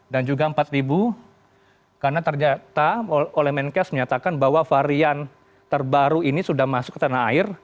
dan juga empat karena terdata oleh menkes menyatakan bahwa varian terbaru ini sudah masuk ke tanah air